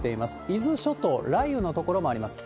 伊豆諸島、雷雨の所もあります。